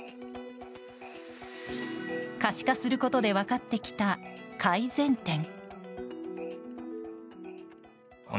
可視化することで分かってきた改善点。